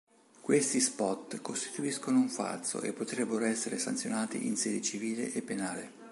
Questi "spot" costituiscono un falso e potrebbero essere sanzionati in sede civile e penale.